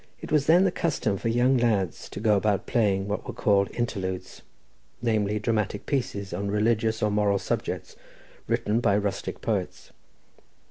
It was then the custom for young lads to go about playing what were called interludes, namely, dramatic pieces on religious or moral subjects, written by rustic poets.